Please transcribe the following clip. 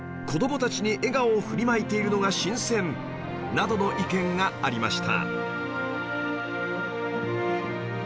などの意見がありました